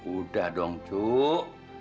udah dong cuk